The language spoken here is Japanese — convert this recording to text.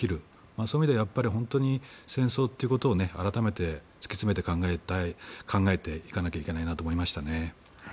そういう意味では本当に戦争っていうことを改めて突き詰めて考えたい考えていかないといけないと思いました。